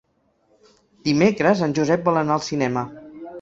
Dimecres en Josep vol anar al cinema.